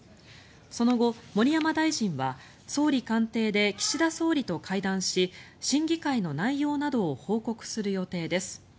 その後、盛山大臣は総理官邸で岸田総理と会談し審議会の内容などを報告する予定です。